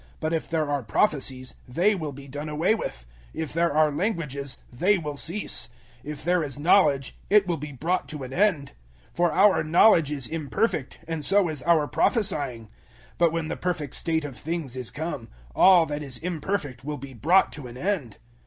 But if there are prophecies, they will be done away with; if there are languages, they will cease; if there is knowledge, it will be brought to an end. 013:009 For our knowledge is imperfect, and so is our prophesying; 013:010 but when the perfect state of things is come, all that is imperfect will be brought to an end.